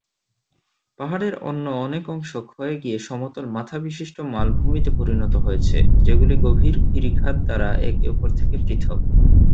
পাহাড়ের অন্য অনেক অংশ ক্ষয়ে গিয়ে সমতল-মাথাবিশিষ্ট মালভূমিতে পরিণত হয়েছে, যেগুলি গভীর গিরিখাত দ্বারা একে অপর থেকে পৃথক।